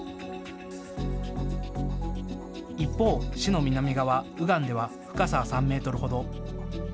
一方、市の南側、右岸では深さは３メートルほど。